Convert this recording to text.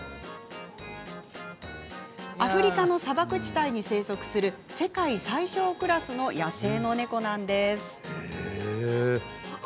アフリカの砂漠地帯に生息する世界最小クラスの野生の猫なんです。